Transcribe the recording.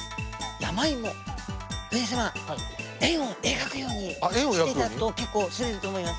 山芋藤井様円を描くようにすっていただくと結構すれると思います。